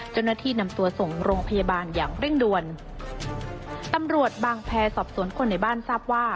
เจ้าหน้าที่นำตัวส่งโรงพยาบาลอย่างเร่งด่วนตำรวจบางแพรสอบสวนคนในบ้านทราบว่า